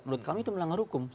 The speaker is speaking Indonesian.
menurut kami itu melanggar hukum